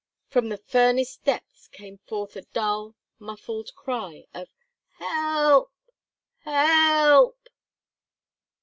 From the furnace depths came forth a dull, muffled cry of "Help! Help!"